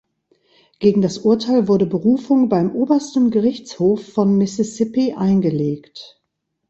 Gegen das Urteil wurde Berufung beim Obersten Gerichtshof von Mississippi eingelegt.